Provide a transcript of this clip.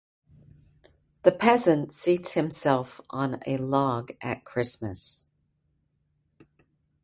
The peasant seats himself on a log at Christmas.